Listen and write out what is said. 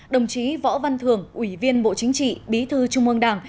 đồng chí võ văn thường ủy viên bộ chính trị bí thư trung ương đảng